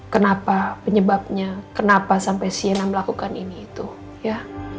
kenapa penyebabnya kenapa sampai siena melakukan ini itu ya